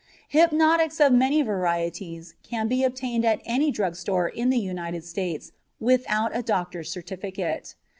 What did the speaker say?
Hypnotics of many varieties can be obtained at any drug store in the United States without a doctor's certificate.